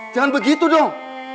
jangan begitu dong